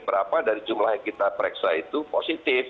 berapa dari jumlah yang kita pereksa itu positif